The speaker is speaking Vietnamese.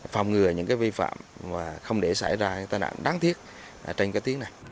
phòng ngừa những vi phạm và không để xảy ra tai nạn đáng tiếc trên cái tiếng này